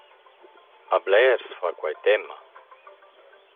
A blers fa quai temma.